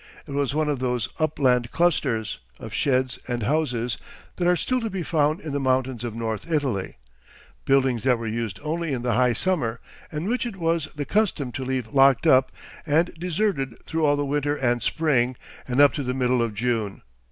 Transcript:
It was one of those upland clusters of sheds and houses that are still to be found in the mountains of North Italy, buildings that were used only in the high summer, and which it was the custom to leave locked up and deserted through all the winter and spring, and up to the middle of June.